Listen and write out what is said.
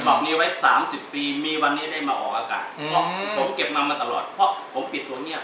ภาพนี้ไว้๓๐ปีมีวันนี้ได้มาออกอากาศผมเก็บมามาตลอดเพราะผมปิดตัวเงียบ